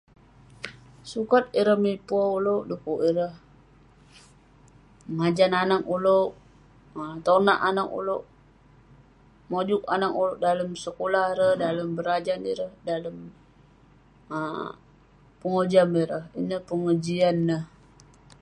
Sukat ireh mipe ulouk de'kuk ireh mengajan anag ulouk..tonak anag ulouk..mojuk anag ulouk..dalem sekulah ireh..dalem berajan ireh..dalem um pengojam ireh, ineh pengejian neh..